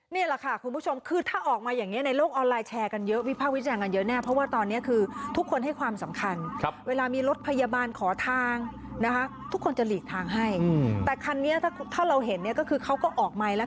นี่แหละค่ะคุณผู้ชมคือถ้าออกมาอย่างนี้ในโลกออนไลน์แชร์กันเยอะวิภาควิจารณ์กันเยอะแน่เพราะว่าตอนนี้คือทุกคนให้ความสำคัญเวลามีรถพยาบาลขอทางนะคะทุกคนจะหลีกทางให้แต่คันนี้ถ้าเราเห็นเนี่ยก็คือเขาก็ออกไมค์แล้ว